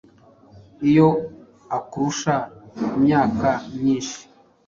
Iyo akurusha imyaka myinshi